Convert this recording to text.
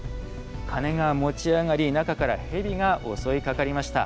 鐘が持ち上がり、中から蛇が襲いかかりました。